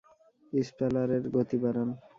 ইম্প্যালারের গতি বাড়ান।